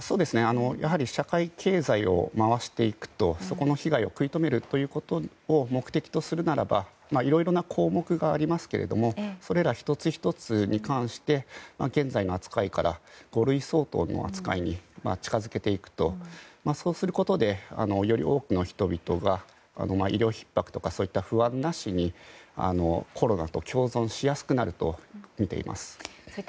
社会経済を回していくそこの被害を食い止めることを目的とするならばいろいろな項目がありますけどそれら１つ１つに関して現在の扱いから五類相当の扱いに近づけていくことでより多くの人々が医療ひっ迫とかそういった不安なしにコロナと共存しやすくなるとみています。